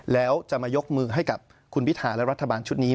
แล้วจะมายกมือให้กับคุณพิธาและรัฐบาลชุดนี้